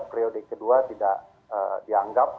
priode kedua tidak dianggap